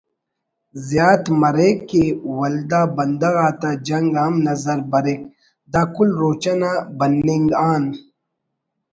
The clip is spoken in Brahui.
زیات مریک کہ ولدا بندغ آتا جنگ ہم نظر بریک داکل روچہ نا بننگ آن